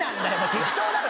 適当だろ！